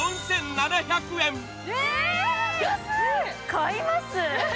買います。